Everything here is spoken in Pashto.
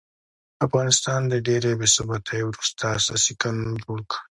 افغانستان د ډېرې بې ثباتۍ وروسته اساسي قانون جوړ کړ.